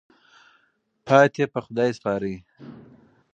پاتې په خدای سپارئ.